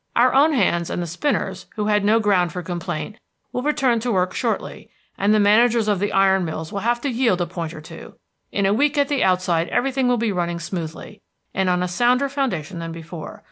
"Our own hands and the spinners, who had no ground for complaint, will return to work shortly, and the managers of the iron mills will have to yield a point or two. In a week at the outside everything will be running smoothly, and on a sounder foundation than before.